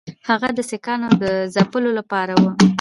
هغه د سیکهانو د ځپلو لپاره وو.